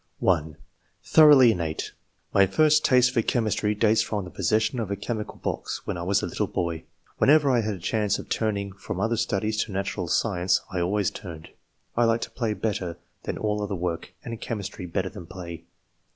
(1) Thoroughly innate. My first taste for rliomistr}^ dates from the possession of a che mical box, when I was a little boy. Whenever I had a chance of turning from other studies to natural science, I always turned. I liked ])hiy l)etter than all other work, and chemistry better than play."